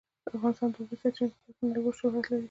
افغانستان د د اوبو سرچینې په برخه کې نړیوال شهرت لري.